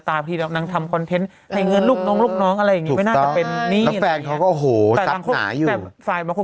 แต่ฝ่ายมาเขาก็บอก